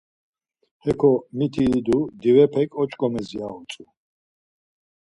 Heko miti idu divepek oç̌ǩomes ya utzu.